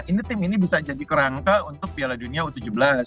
ini tim ini bisa jadi kerangka untuk piala dunia u tujuh belas